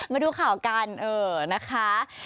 มาดูข่าวกันนะคะ